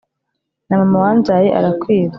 na mama wambyaye arakwiba